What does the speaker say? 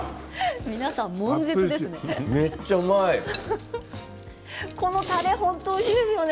皆さん、もん絶ですね。